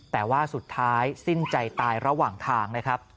แต่ว่าสุดท้ายสิ้นใจตายระหว่างทางนะครับ